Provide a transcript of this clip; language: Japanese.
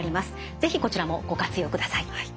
是非こちらもご活用ください。